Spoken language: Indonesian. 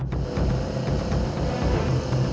aku juga keliatan jalan sama si neng manis